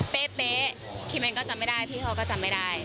เป๊ะคิมเองก็จำไม่ได้พี่เขาก็จำไม่ได้